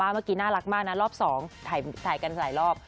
เมื่อกี้น่ารักมากนะรอบ๒ถ่ายกันหลายรอบ